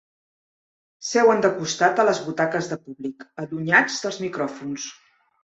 Seuen de costat a les butaques de públic, allunyats dels micròfons.